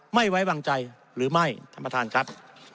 ไม่ไว้วางใจหรือไม่ท่านประธานครับ